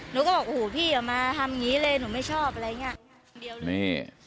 หนูก็บอกหูย่ามาทำงี้เลยหนูไม่ชอบอะไรอย่างเงี้ย